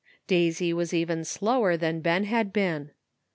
Daisy was even slower than Ben had been.